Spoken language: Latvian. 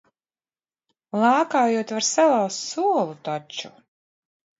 Lēkājot var salauzt solu taču.